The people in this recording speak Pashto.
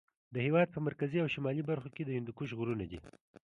د هېواد په مرکزي او شمالي برخو کې د هندوکش غرونه دي.